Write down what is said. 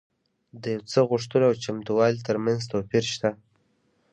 د یو څه د غوښتلو او چمتووالي ترمنځ توپیر شته